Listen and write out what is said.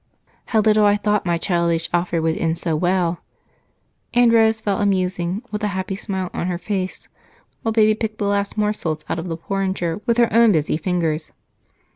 How little I thought my childish offer would end so well!" And Rose fell a musing with a happy smile on her face while baby picked the last morsels out of the porringer with her own busy fingers.